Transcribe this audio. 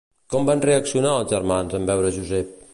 Com van reaccionar els germans en veure Josep?